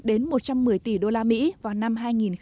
đến một trăm một mươi tỷ đô la mỹ vào năm hai nghìn hai mươi năm